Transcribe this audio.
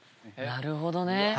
なるほどね。